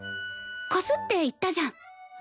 貸すって言ったじゃん。